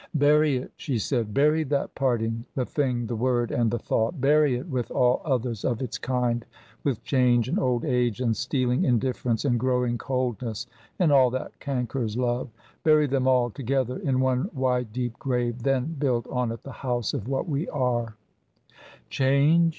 "Bury it!" she said. "Bury that parting the thing, the word, and the thought bury it with all others of its kind, with change, and old age, and stealing indifference, and growing coldness, and all that cankers love bury them all, together, in one wide deep grave then build on it the house of what we are " "Change?